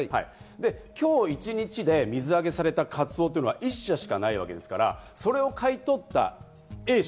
今日一日で水揚げされたカツオは１社しかないわけですから、それを買い取ったＡ社。